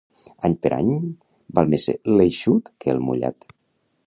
Any per any, val més l'eixut que el mullat.